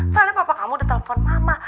soalnya papa kamu udah telepon mama